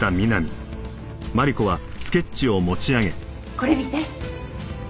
これ見て。